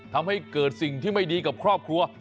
ทำให้เกิดสิ่งที่ไม่ดีกับครอบครัว